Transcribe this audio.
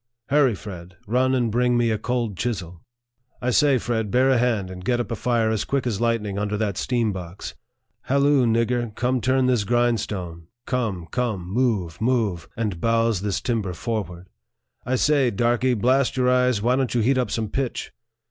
" Hurra, Fred.! run and bring me a cold chisel." "I say, Fred., bear a hand, and get up a fire as quick as light ning under that steam box." " Halloo, nigger ! come, turn this grindstone." " Come, come ! move, move ! and bowse ibis timber forward." " I say, darky, blast your eyes, why don't you heat up some pitch